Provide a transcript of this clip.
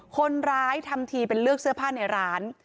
คนร้ายทำทีเป็นเลือกเสื้อผ้าในร้าน